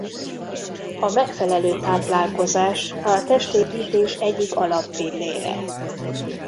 A megfelelő táplálkozás a testépítés egyik alappillére.